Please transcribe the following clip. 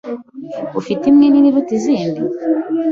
Ufite imwe nini iruta izi?